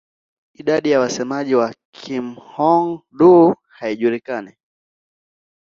Idadi ya wasemaji wa Kihmong-Dô haijulikani.